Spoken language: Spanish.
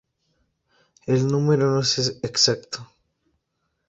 El número no es exacto.